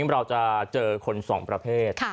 เราจะเจอคนสองประเภท